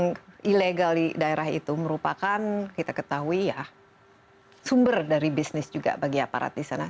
yang ilegal di daerah itu merupakan kita ketahui ya sumber dari bisnis juga bagi aparat di sana